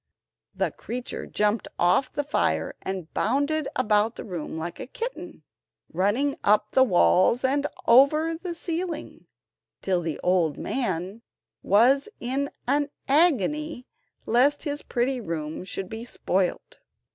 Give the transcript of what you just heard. The creature jumped off the fire, and bounded about the room like a kitten, running up the walls and over the ceiling, till the old man was in an agony lest his pretty room should be spoilt.